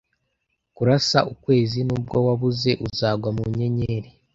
Kurasa ukwezi. Nubwo wabuze, uzagwa mu nyenyeri.